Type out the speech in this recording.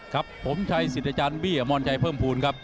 ครับผมชัยสิทธิ์อาจารย์บี้อมรชัยเพิ่มภูมิครับ